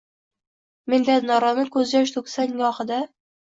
Minnatdorona ko’zyosh to’ksang gohida